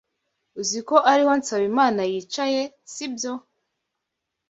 Uzi ko ariho Nsabimana yicaye, sibyo?